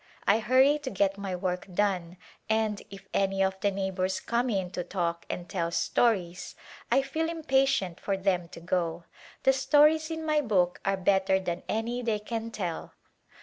I hurry to get my work done, and if any of the neighbors come in to talk and tell stories I feel impatient for them to go. The stories in my book are better than any they can tell."